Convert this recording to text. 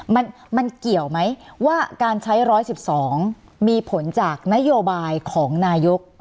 มันมันเกี่ยวไหมว่าการใช้ร้อยสิบสองมีผลจากนโยบายของนายุกษ์